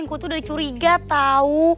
gue tuh udah dicuriga tau